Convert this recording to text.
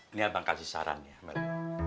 ini abang kasih saran ya mbak lia